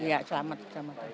iya selamat selamat